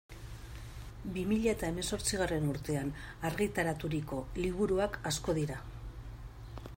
Bi mila eta hemezortzigarren urtean argitaraturiko liburuak asko dira.